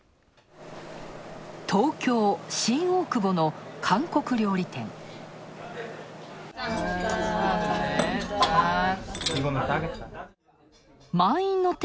東京・新大久保の韓国料理店。